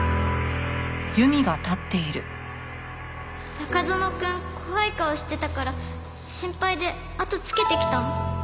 中園くん怖い顔してたから心配であとつけてきたの。